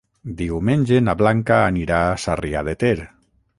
Diumenge na Blanca anirà a Sarrià de Ter.